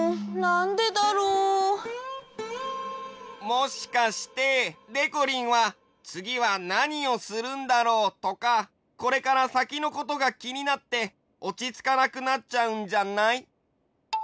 もしかしてでこりんはつぎはなにをするんだろうとかこれからさきのことがきになっておちつかなくなっちゃうんじゃない？